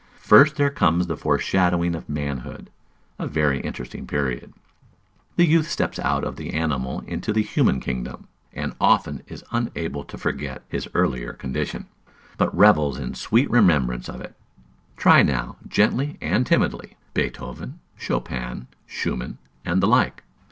First there comes the foreshadowing of manhood, a very interesting period. The youth steps out of the animal into the human kingdom, and often is unable to forget his earlier condition, but revels in sweet remembrance of it. Try now, gently and timidly, Beethoven, Chopin, Schumann, and the like.